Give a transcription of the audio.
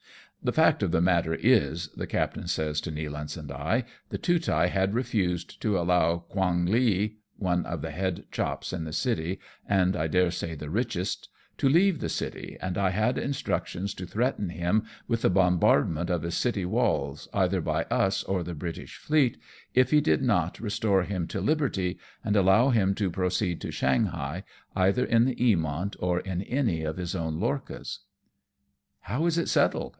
" The fact of the matter is," the captain says to Nealance and I, " the Tootai had refused to allow Quong Ly (one of the head chops in the city, and I daresay the richest) to leave the city, and I had instructions to threaten him with the bombard" ment of his city walls, either by us or the British fleet, if he did not restore him to liberty, and allow him to proceed to Shanghai, either in the Eamont or in any of his own lorchas." 232 AMONG TYPHOONS AND PIRATE CRAFT. "How is it settled